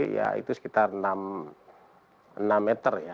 ya itu sekitar enam